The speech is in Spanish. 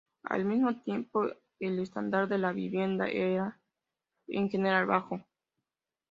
Al mismo tiempo, el estándar de la vivienda era en general bajo.